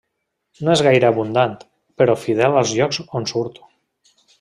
No és gaire abundant, però fidel als llocs on surt.